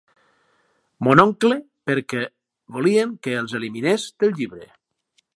Mon oncle perquè volien que els eliminés del llibre.